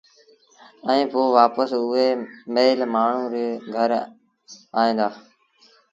ائيٚݩ پو وآپس اُئي مئيٚل مآڻهوٚٚݩ ري گھر ائيٚݩ دآ